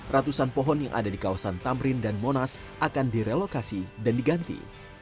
ratusan pohon yang ada di kawasan tamrin dan monas akan direlokasi dan diganti